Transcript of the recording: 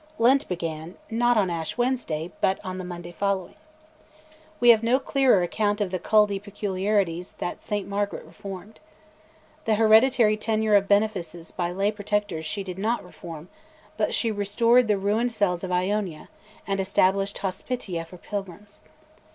Lent began, not on Ash Wednesday, but on the Monday following. We have no clearer account of the Culdee peculiarities that St Margaret reformed. The hereditary tenure of benefices by lay protectors she did not reform, but she restored the ruined cells of Iona, and established hospitia for pilgrims.